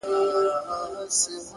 د کافي لوګی د سهار فضا نرموي!